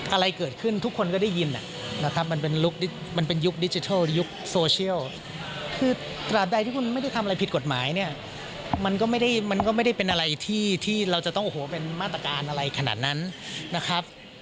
อะไรเกิดขึ้นทุกคนก็ได้ยินนะครับมันเป็นลุคมันเป็นยุคดิจิทัลยุคโซเชียลคือตราบใดที่คุณไม่ได้ทำอะไรผิดกฎหมายเนี่ยมันก็ไม่ได้มันก็ไม่ได้เป็นอะไรที่เราจะต้องโอ้โหเป็นมาตรการอะไรขนาดนั้นนะครับ